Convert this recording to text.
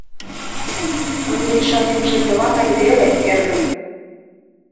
— Ынде ӱшанемже тылатак веле, эргым.